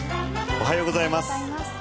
おはようございます。